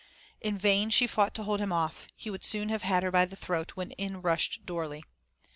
In vain she fought to hold him off, he would soon have had her by the throat, when in rushed Dorley.